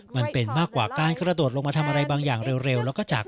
มันเป็นมากกว่าการกระโดดลงมาทำอะไรบางอย่างเร็วแล้วก็จาก